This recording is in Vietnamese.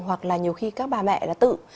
hoặc là nhiều khi các bà mẹ là tự